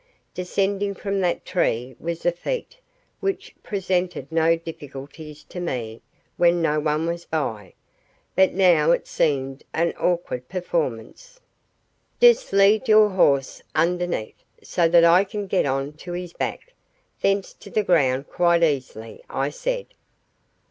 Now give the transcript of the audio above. Descending from that tree was a feat which presented no difficulties to me when no one was by, but now it seemed an awkward performance. "Just lead your horse underneath, so that I can get on to his back, thence to the ground quite easily," I said.